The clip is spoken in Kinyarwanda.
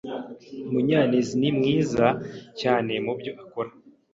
Munyanezni mwiza cyane mubyo akora.